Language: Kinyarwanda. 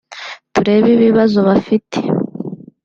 turebe ibibazo bafite